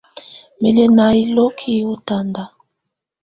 Mɛ́ lɛ́ ná iloki yɛ́ ɔtanda.